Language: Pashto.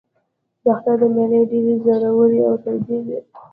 د اختر دا مېلې ډېرې زورورې او تودې وې.